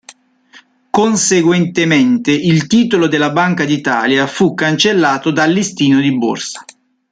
Conseguentemente il titolo della Banca d'Italia fu cancellato dal listino di borsa.